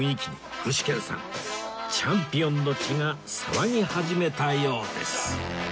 具志堅さんチャンピオンの血が騒ぎ始めたようです